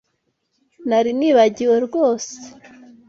Nari nibagiwe rwose.